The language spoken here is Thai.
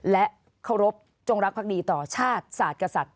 และเคารพจงรักภักดีต่อชาติศาสตร์กษัตริย